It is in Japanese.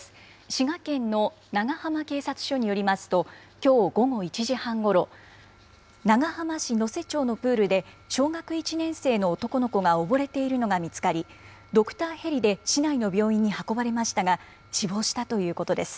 滋賀県の長浜警察署によりますと、きょう午後１時半ごろ、長浜市野瀬町のプールで、小学１年生の男の子がおぼれているのが見つかり、ドクターヘリで市内の病院に運ばれましたが、死亡したということです。